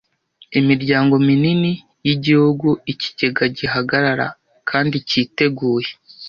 Imiryango minini yigihugu ikigega gihagarara kandi cyiteguye,